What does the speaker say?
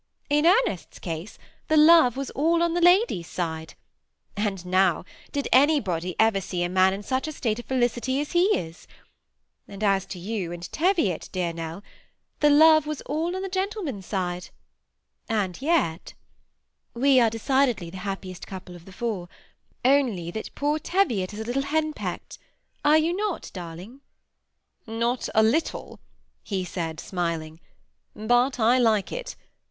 In Ernest's case, the love was all on the lady's side ; and now, did any body ever see a man in such a state of felicity as he is ? and as to you and Teviot, dear Nell, the love was all on the gentleman's side, and yet "^ We are decidedly the happiest couple of the four, only that poor Teviot is a little henpecked, are not you, darling ?""« Not a little," he said, smiling ;'< but I Hke it.